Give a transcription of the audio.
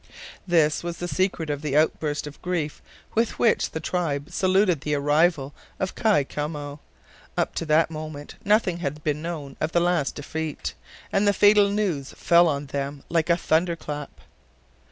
This was the secret of the outburst of grief with which the tribe saluted the arrival of Kai Koumou. Up to that moment nothing had been known of the last defeat, and the fatal news fell on them like a thunder clap.